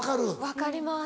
分かります。